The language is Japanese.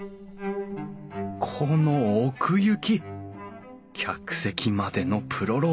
この奥行き客席までのプロローグ。